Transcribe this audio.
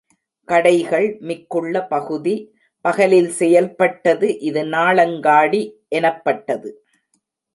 கடைகள் மிக்குள்ள பகுதி, பகலில் செயல்பட்டது இது நாளங்காடி எனப்பட்டது.